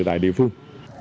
tại địa phương